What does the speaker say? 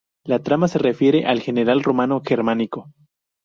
La trama se refiere al general romano Germánico.